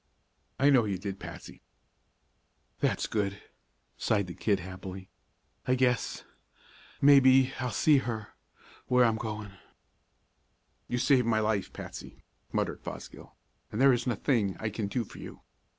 "I know you did, Patsy." "That's good," sighed the kid happily. "I guess may be I'll see her where I'm goin'." "You saved my life, Patsy," muttered Fosgill, "and there isn't a thing I can do for you.